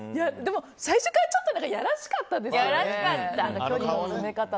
最初からちょっといやらしかったですよね。